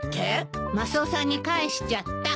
マスオさんに返しちゃった。